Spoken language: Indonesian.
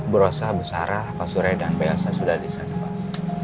burosa besara pasureda belasah sudah disana pak